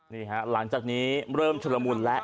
นี่ครับร่านจากนี้เริ่มเฉลมุนแล้ว